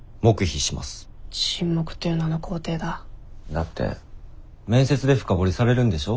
だって面接で深掘りされるんでしょ？